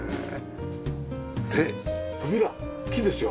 で扉木ですよね？